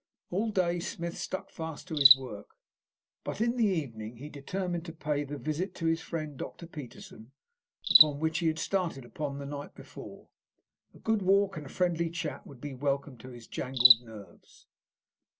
All day Smith stuck fast to his work, but in the evening he determined to pay the visit to his friend Dr. Peterson upon which he had started upon the night before. A good walk and a friendly chat would be welcome to his jangled nerves.